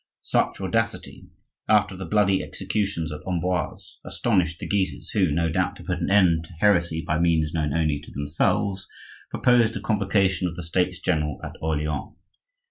Such audacity, after the bloody executions at Amboise, astonished the Guises, who (no doubt to put an end to heresy by means known only to themselves) proposed the convocation of the States general at Orleans.